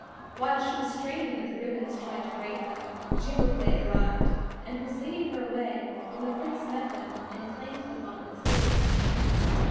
While she was straining at the ribbons trying to break them, Giroflée arrived, and was leading her away when the Prince met them and claimed the Fawn as his.